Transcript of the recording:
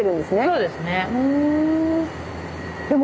そうですね。